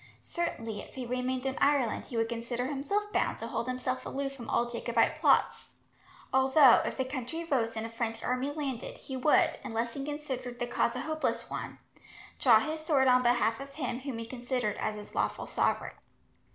Certainly, if he remained in Ireland he would consider himself bound to hold himself aloof from all Jacobite plots, although, if the country rose and a French army landed, he would, unless he considered the cause a hopeless one, draw his sword on behalf of him whom he considered as his lawful sovereign.